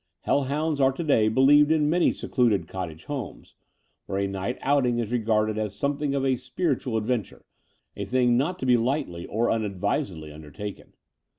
Hell hounds are to day bdieved in in many secluded cottage homes, where a night outing is regarded as some thing of a spiritual adventure, a thing not to be lightly or unadvisedly undertaken.